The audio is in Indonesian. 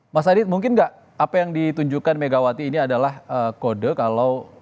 mas adit mungkin nggak apa yang ditunjukkan megawati ini adalah kode kalau